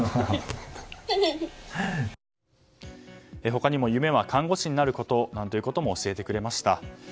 他にも夢は看護師になることなどと教えてくれました。